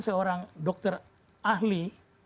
seorang dokter ahli